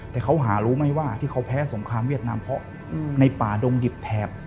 แต่เขาหารู้ไหมว่าที่เขาแพ้สงครามเวียดนามเพราะในป่าดงดิบแถบ